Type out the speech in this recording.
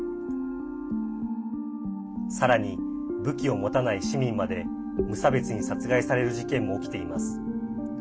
さらに、武器を持たない市民まで無差別に殺害される事件も起きています。